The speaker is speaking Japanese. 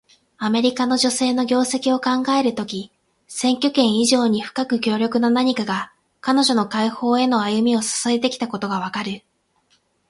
アメリカの女性の業績を考えるとき、選挙権以上に深く強力な何かが、彼女の解放への歩みを支えてきたことがわかる。